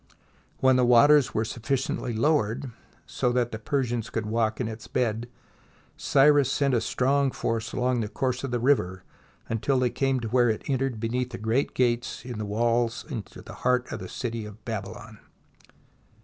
When the waters were suffi ciently lowered, so that the Persians could walk in its bed, Cyrus sent a strong force along the course of the river until they came to where it entered beneath great gates in the walls into the heart of the city of Babylon.